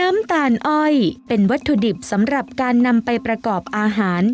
น้ำตาลอ้อยเป็นวัตถุดิบสำหรับการนำไปประกอบอาหาร